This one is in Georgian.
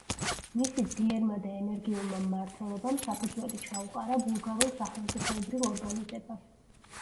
მისი ძლიერმა და ენერგიულმა მმართველობამ საფუძველი ჩაუყარა ბულგარულ სახელმწიფოებრივ ორგანიზებას.